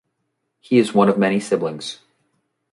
He is one of many siblings.